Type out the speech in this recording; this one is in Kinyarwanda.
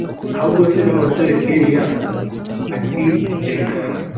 ahubwo se babasore kellia ati reka